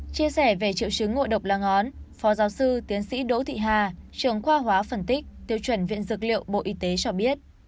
chia sẻ về triệu chứng ngộ độc là ngón phó giáo sư tiến sĩ đỗ thị hà trường khoa hóa phân tích tiêu chuẩn viện dược liệu bộ y tế cho biết